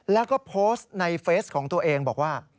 แล้วก็โพสต์ในเฟสของตัวเองบอกว่า